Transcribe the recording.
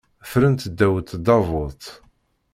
Ffrent ddaw tdabut.